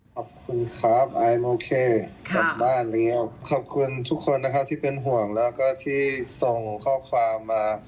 ขอบคุณครับขอบคุณทุกคนนะคะที่เป็นห่วงแล้วก็ที่ส่งข้อความมา